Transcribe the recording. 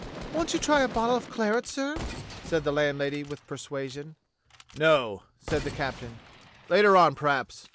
"Won't you try a bottle of claret, sir?" said the landlady with persuasion. "No," said the captain, "later on, perhaps.